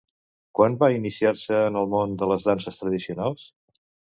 Quan va iniciar-se en el món de les danses tradicionals?